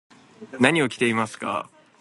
何を着ていますか？